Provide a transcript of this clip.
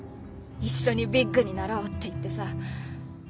一緒にビッグになろうって言ってさ。